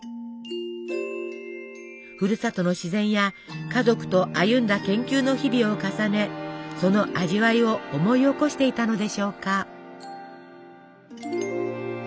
ふるさとの自然や家族と歩んだ研究の日々を重ねその味わいを思い起こしていたのでしょうか。